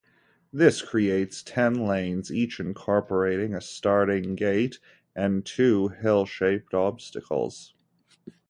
This creates ten lanes, each incorporating a starting gate and two hill-shaped obstacles.